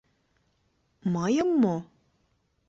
Мыйым мо?